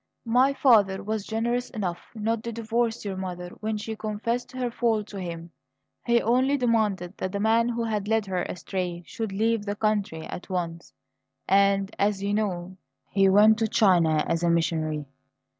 My father was generous enough not to divorce your mother when she confessed her fall to him; he only demanded that the man who had led her astray should leave the country at once; and, as you know, he went to China as a missionary.